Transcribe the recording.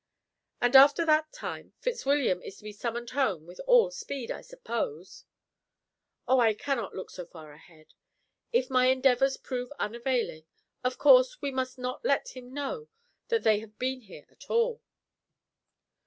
"And after that time Fitzwilliam is to be summoned home with all speed, I suppose?" "Oh, I cannot look so far ahead; if my endeavours prove unavailing, of course we must not let him know that they have been here at all."